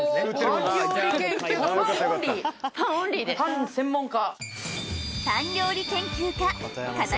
パンの専門家。